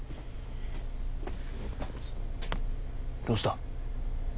どうした？